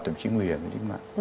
thậm chí nguy hiểm